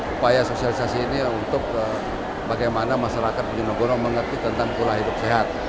upaya sosialisasi ini untuk bagaimana masyarakat bojonegoro mengerti tentang pola hidup sehat